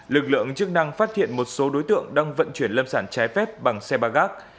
lực lượng chức năng phát hiện một số đối tượng đang vận chuyển lâm sản trái phép bằng xe ba gác